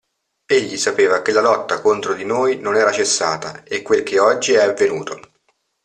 Egli sapeva che la lotta contro di noi non era cessata e quel che oggi è avvenuto.